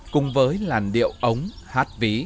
cùng với làn điệu ống hát ví